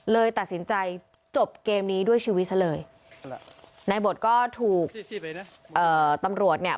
เลยตัดสินใจจบเกมนี้ด้วยชีวิตซะเลยนายบทก็ถูกเอ่อตำรวจเนี่ย